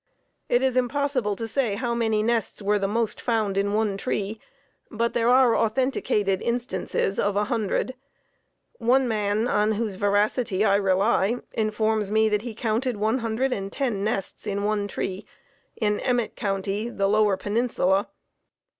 It is impossible to say how many nests were the most found in one tree, but there are authenticated instances of a hundred. One man, on whose veracity I rely, informs me that he counted 110 nests in one tree in Emmett County, the lower peninsula.